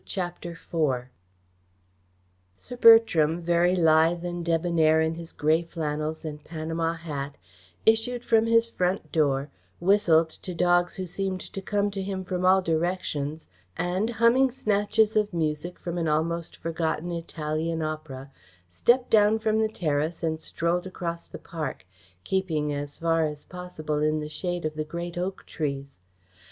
CHAPTER IV Sir Bertram, very lithe and debonair in his grey flannels and Panama hat, issued from his front door, whistled to dogs who seemed to come to him from all directions, and, humming snatches of music from an almost forgotten Italian opera, stepped down from the terrace and strolled across the park, keeping as far as possible in the shade of the great oak trees.